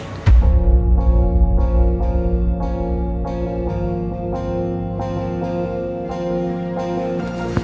jangan lupa sama janji kamu kemarin